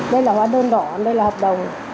đây là hóa đơn đỏ đây là hợp đồng